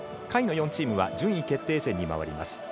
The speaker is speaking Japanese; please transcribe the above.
下位の４チームは順位決定戦に回ります。